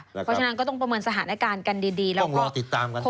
เพราะฉะนั้นก็ต้องประเมินสถานการณ์กันดี